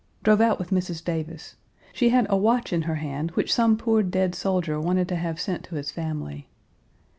Drove out with Mrs. Davis. She had a watch in her hand which some poor dead soldier wanted to have sent to his family.